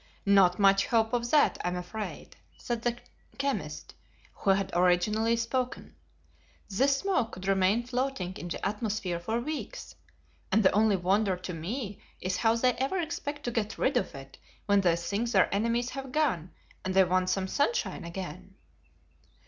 "Not much hope of that, I am afraid," said the chemist who had originally spoken. "This smoke could remain floating in the atmosphere for weeks, and the only wonder to me is how they ever expect to get rid of it, when they think their enemies have gone and they want some sunshine again."